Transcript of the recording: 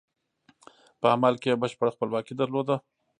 په عمل کې یې بشپړه خپلواکي درلوده.